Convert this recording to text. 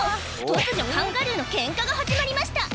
突如カンガルーのケンカが始まりました！